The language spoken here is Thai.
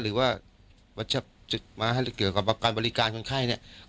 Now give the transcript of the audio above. หรือว่าเกี่ยวกับการบริการคนไข้เนี่ย